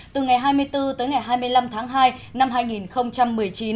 từ ngày hai mươi bốn tới ngày hai mươi năm tháng hai năm hai nghìn một mươi chín